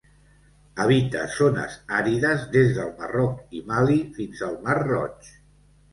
Habita zones àrides des del Marroc i Mali, fins al Mar Roig.